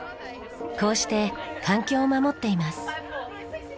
こうして環境を守っています。